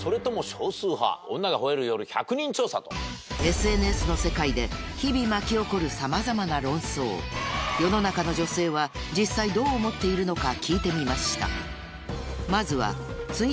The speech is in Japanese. ＳＮＳの世界で日々巻き起こるさまざまな論争世の中の女性は実際どう思っているのか聞いてみました